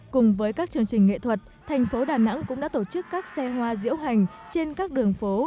cùng với các chương trình nghệ thuật thành phố đà nẵng cũng đã tổ chức các xe hoa diễu hành trên các đường phố